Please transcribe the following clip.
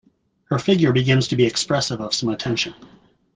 Her figure begins to be expressive of some attention.